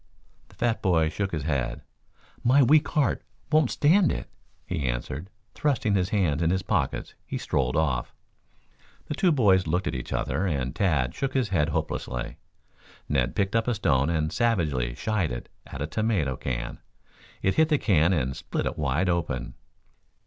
The fat boy shook his head. "My weak heart won't stand it," he answered. Thrusting his hands in his pockets he strolled off. The two boys looked at each other and Tad shook his head hopelessly. Ned picked up a stone and savagely shied it at a tomato can. It hit the can and split it wide open.